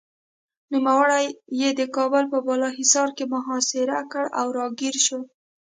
نوموړي یې د کابل په بالاحصار کې محاصره کړ او راګېر شو.